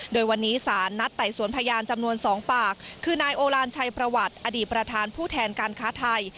โดยวันนี้สารนัดไต่สวนพยานจำนวน๒ปากคือนายโอลานชัยประวัติอดีตประธานผู้แทนการค้าไทย